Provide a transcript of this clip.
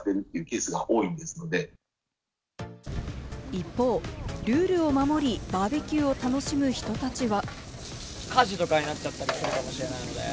一方、ルールを守り、バーベキューを楽しむ人たちは。